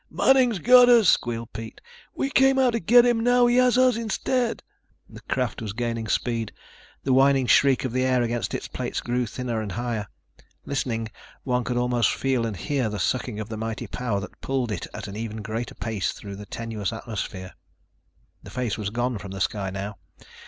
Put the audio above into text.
"Manning's got us!" squealed Pete. "We came out to get him and now he has us instead!" The craft was gaining speed. The whining shriek of the air against its plates grew thinner and higher. Listening, one could almost feel and hear the sucking of the mighty power that pulled it at an ever greater pace through the tenuous atmosphere. The face was gone from the sky now.